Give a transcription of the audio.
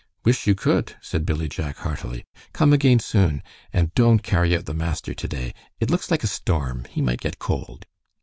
"Wish you would," said Billy Jack, heartily. "Come again soon. And don't carry out the master to day. It looks like a storm; he might get cold."